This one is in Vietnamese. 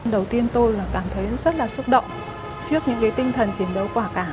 đầu tiên tôi là cảm thấy rất là xúc động trước những tinh thần chiến đấu quả cảm